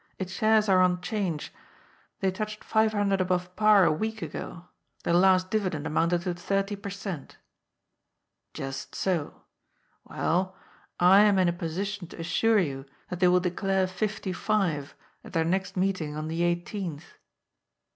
" Its shares are on 'Change. They touched five hundred above par a week ago. Their last dividend amounted to thirty per cent." " Just so. Well, I am in a position to assure you that they will declare fifty five at their next meeting on the eighteenth."